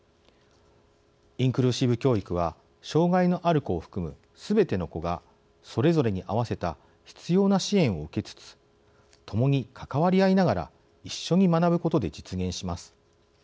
インクルーシブ教育は障害のある子を含むすべての子がそれぞれに合わせた必要な支援を受けつつ共に関わり合いながら一緒に学ぶことで実現します。